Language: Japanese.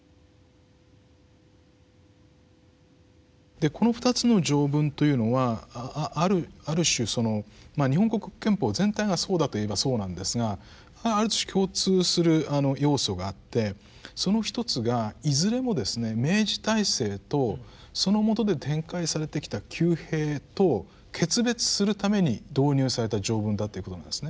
でこの２つの条文というのはある種その日本国憲法全体がそうだといえばそうなんですがある種共通する要素があってそのひとつがいずれもですね明治体制とそのもとで展開されてきた旧弊と決別するために導入された条文だということなんですね。